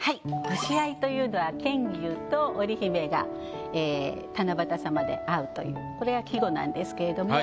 星合というのは牽牛と織姫が七夕さまで会うというこれが季語なんですけれども。